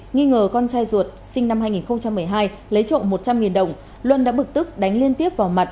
nghi ngờ con trai ruột sinh năm hai nghìn một mươi hai lấy trộm một trăm linh đồng luân đã bực tức đánh liên tiếp vào mặt